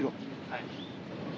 はい。